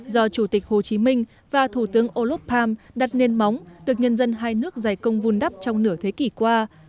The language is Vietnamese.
do chủ tịch hồ chí minh và thủ tướng olof palm đặt nền móng được nhân dân hai nước giải công vun đắp trong nửa thế kỷ qua